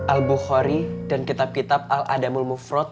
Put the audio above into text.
al bukhari dan kitab kitab al a'damul mufrat